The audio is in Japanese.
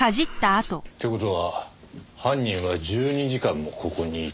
って事は犯人は１２時間もここにいた？